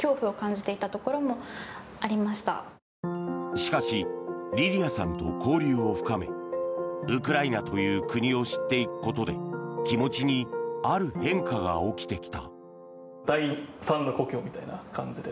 しかしリリアさんと交流を深めウクライナという国を知っていくことで気持ちにある変化が起きてきた。